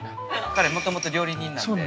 ◆彼、もともと料理人なんで。